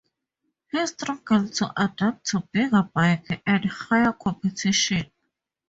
He struggled to adapt to bigger bike and higher competition.